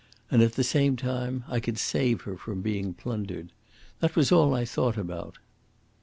And at the same time I could save her from being plundered. That was all I thought about."